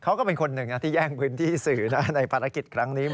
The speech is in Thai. ก็เป็นคนหนึ่งที่แย่งพื้นที่สื่อนะในภารกิจครั้งนี้